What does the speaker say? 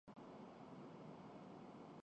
چھٹا مألہ یہ پیدا ہوتا ہے